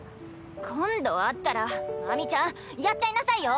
今度会ったら秋水ちゃんやっちゃいなさいよ！